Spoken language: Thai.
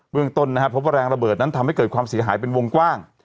เรื่องต้นนะครับพบว่าแรงระเบิดนั้นทำให้เกิดความเสียหายเป็นวงกว้าง